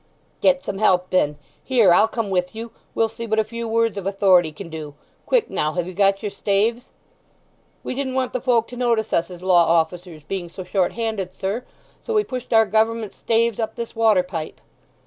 "Get some help, then! Here, I'll come with you. We'll see what a few words of authority can do. Quick now; have you got your staves?" "We didn't want the folk to notice us as law officers, being so short handed, sir; so we pushed our Gover'ment staves up this water pipe."